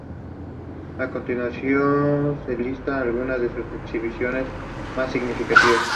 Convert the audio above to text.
Asimismo, acusó a Estados Unidos de ""arrogante"" y carente de "amor al prójimo".